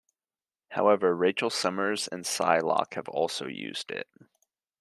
However, Rachel Summers and Psylocke have also used it.